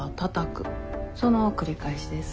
その繰り返しです。